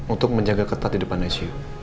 untuk menjaga ketat di depan icu